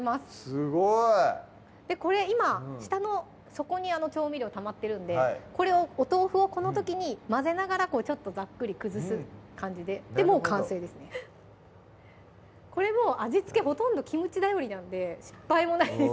すごいこれ今下の底に調味料たまってるんでこれをお豆腐をこの時に混ぜながらこうちょっとざっくり崩す感じででもう完成ですねこれもう味付けほとんどキムチ頼りなんで失敗もないです